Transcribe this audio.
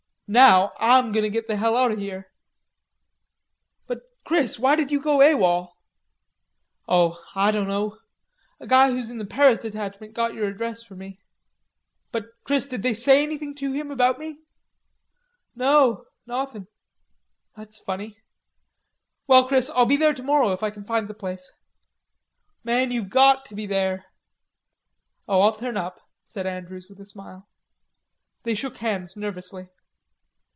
"Now, Ah'm goin' to git the hell out of here." "But Chris, why did you go A.W.O.L.?" "Oh, Ah doan know.... A guy who's in the Paris detachment got yer address for me." "But, Chris, did they say anything to him about me?" "No, nauthin'." "That's funny.... Well, Chris, I'll be there tomorrow, if I can find the place." "Man, you've got to be there." "Oh, I'll turn up," said Andrews with a smile. They shook hands nervously.